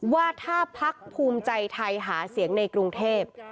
ว่าถ้าพักภูมิใจไทยหาเสียงในกรุงเทพ